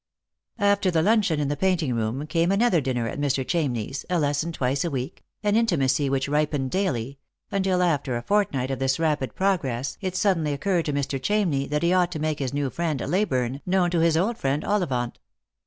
After the luncheon in the painting room came another dinner at Mr. Chamney's, a lesson twice a week, an intimacy which ripened daily — until after a fortnight of this rapid progress it suddenly occurred to Mr. Chamney that he ought to make his new friend, Leyburne, known to his old friend, Ollivant.